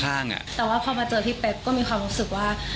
แต่ว่าพอมาเจอพี่เป๊บก็มีความรู้สึกว่า